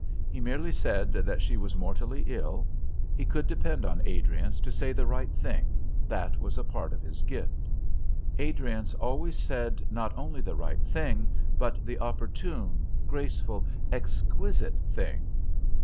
He merely said that she was mortally ill; he could depend on Adriance to say the right thing that was a part of his gift. Adriance always said not only the right thing, but the opportune, graceful, exquisite thing.